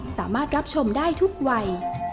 สามารถรับชมได้ทุกวัย